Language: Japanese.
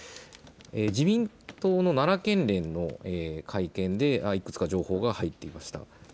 自民党の奈良県連の会見でいくつか情報が入っていました。